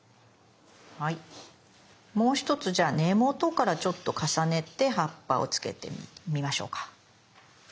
もう一つ根元からちょっと重ねて葉っぱをつけてみましょうか。